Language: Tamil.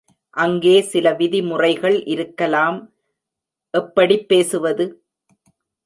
அங்கே சில விதிமுறைகள் இருக்கலாம் எப்படிப் பேசுவது?